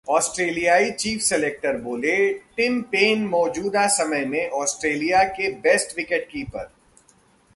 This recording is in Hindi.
ऑस्ट्रेलियाई चीफ सेलेक्टर बोले- टिम पेन मौजूदा समय में ऑस्ट्रेलिया के बेस्ट विकेटकीपर